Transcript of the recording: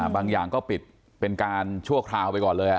บางอย่างก็ปิดเป็นการชั่วคราวไปก่อนเลย